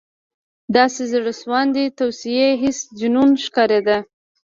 • داسې زړهسواندې توصیې، هسې جنون ښکارېده.